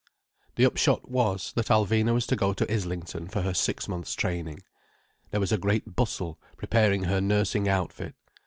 The upshot was, that Alvina was to go to Islington for her six months' training. There was a great bustle, preparing her nursing outfit.